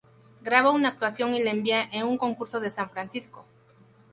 Graba una actuación y la envía a un concurso en San Francisco.